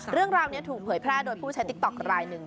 เรื่องราวนี้ถูกเผยแพร่โดยผู้ใช้ติ๊กต๊อกรายหนึ่ง